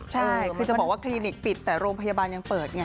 ใช่คือจะบอกว่าคลินิกปิดแต่โรงพยาบาลยังเปิดไง